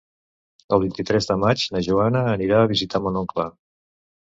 El vint-i-tres de maig na Joana anirà a visitar mon oncle.